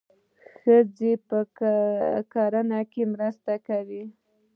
ښځې په کرنه کې مرسته کوي.